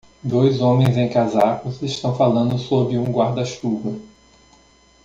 Dois homens em casacos estão falando sob um guarda-chuva.